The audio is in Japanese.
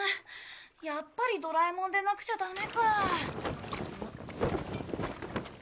やっぱりドラえもんでなくちゃダメか。